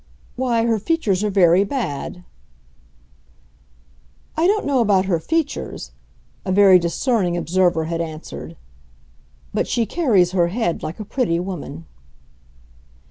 "Why, her features are very bad." "I don't know about her features," a very discerning observer had answered; "but she carries her head like a pretty woman."